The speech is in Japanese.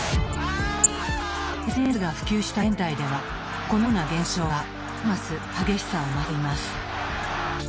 ＳＮＳが普及した現代ではこのような現象がますます激しさを増しています。